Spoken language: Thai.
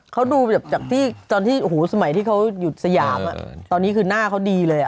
เขาดูจากที่สมัยที่เขาอยู่สยามตอนนี้คือหน้าเขาดีเลย